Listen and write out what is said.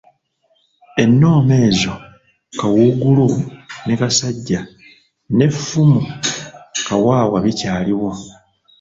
Ennoma ezo Kawuugulu ne Kasajja n'effumu Kawawa bikyaliwo.